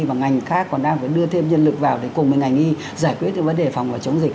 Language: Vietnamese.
mà ngành khác còn đang đưa thêm nhân lực vào cùng với ngành y giải quyết vấn đề phòng và chống dịch